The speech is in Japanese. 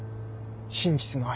真実の愛。